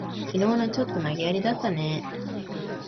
きのうの、ちょっと投げやりだったね。